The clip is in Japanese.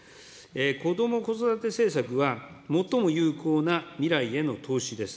こども・子育て政策は最も有効な未来への投資です。